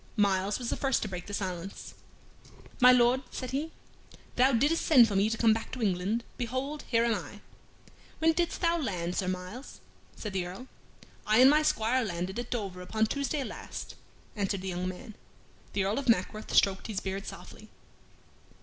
Myles was the first to break the silence. "My Lord," said he, "thou didst send for me to come back to England; behold, here am I." "When didst thou land, Sir Myles?" said the Earl. "I and my squire landed at Dover upon Tuesday last," answered the young man. The Earl of Mackworth stroked his beard softly.